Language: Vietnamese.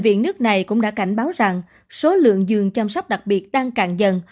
viện nước này cũng đã cảnh báo rằng số lượng giường chăm sóc đặc biệt đang càng dần